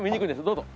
どうぞ。